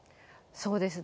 そうですね。